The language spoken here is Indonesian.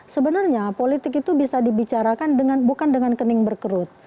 sebenarnya politik itu bisa dibicarakan bukan dengan kening berkerut